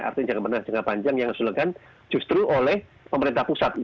artinya jangka panjang yang diselenggan justru oleh pemerintah pusat